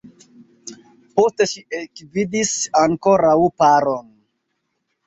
Poste ŝi ekvidis ankoraŭ paron.